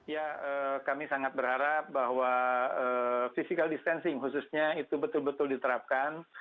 ya kami sangat berharap bahwa physical distancing khususnya itu betul betul diterapkan